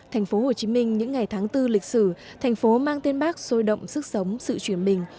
thành phố hồ chí minh những ngày tháng bốn lịch sử thành phố mang tên bác sôi động sức sống sự chuyển bình